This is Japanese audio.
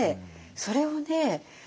それをね